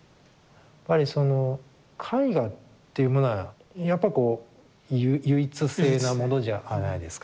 やっぱりその絵画っていうものはやっぱこう唯一性なものじゃないですか。